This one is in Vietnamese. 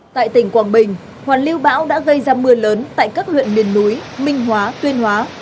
tại tỉnh quảng bình hoàn lưu bão đã gây ra mưa lớn tại các huyện miền núi minh hóa tuyên hóa